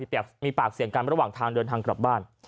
เปลี่ยนปากเสียงกันหลังเที่ยงเดินทางจะกลับบ้าน